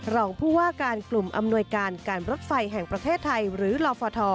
รองผู้ว่าการกลุ่มอำนวยการการรถไฟแห่งประเทศไทยหรือลฟท